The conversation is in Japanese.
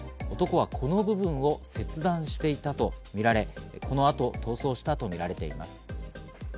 男は、この部分を切断していたとみられ、そのあと逃走したとみられています。